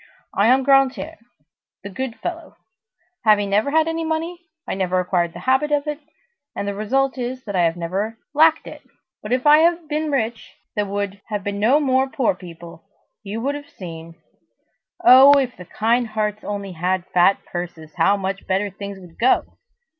I am Grantaire, the good fellow. Having never had any money, I never acquired the habit of it, and the result is that I have never lacked it; but, if I had been rich, there would have been no more poor people! You would have seen! Oh, if the kind hearts only had fat purses, how much better things would go!